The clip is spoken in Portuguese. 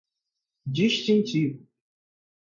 distintivos